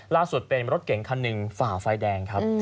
ล่าสุดเป็นรถเก่งคันหนึ่งฝ่าไฟแดงครับ